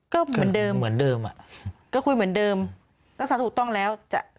ก็เหมือนเดิมคุยเหมือนเดิมรักษาถูกต้องแล้ว